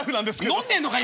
飲んでんのか！